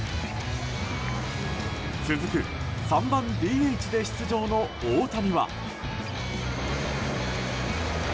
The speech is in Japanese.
続く３番ＤＨで出場の大谷は。